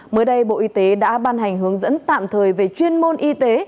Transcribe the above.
mới đây bộ y tế đã ban hành hướng dẫn tạm thời về chuyên môn y tế